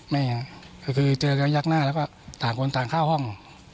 นี่คือเจอกันยักหน้าแล้วก็ต่างคนต่างเข้าห้อง